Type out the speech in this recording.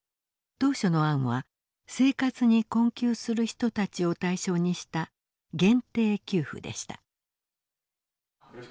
当初の案は生活に困窮する人たちを対象にした限定給付でした。